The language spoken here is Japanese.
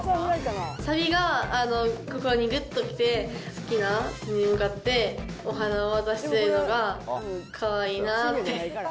サビが心にぐっときて、好きな人に向かってお花を渡しているのがかわいいなって。